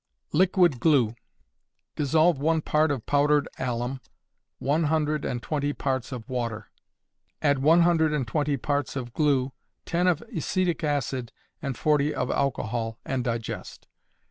Liquid Glue. Dissolve one part of powdered alum, one hundred and twenty parts of water; add one hundred and twenty parts of glue, ten of acetic acid, and forty of alcohol, and digest.